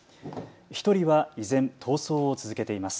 １人は依然、逃走を続けています。